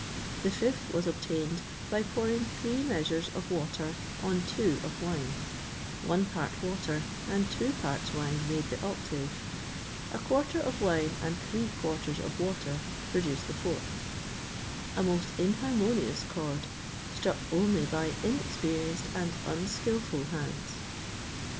The fifth was obtained by pouring three measures of water on two of wine; one part water and two parts wine made the octave; a quarter of wine and three quarters of water produced the fourth,[XXVIII 29] a most inharmonious chord, struck only by inexperienced and unskilful hands.